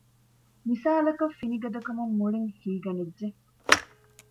މިސާލަކަށް ފިނިގަދަކަމުން މުޅިން ހީގަނެއްޖެ